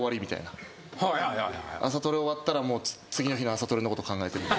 朝トレ終わったらもう次の日の朝トレのこと考えてる。